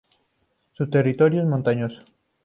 Su territorio es montañoso.